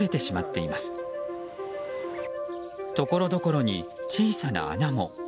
ところどころに小さな穴も。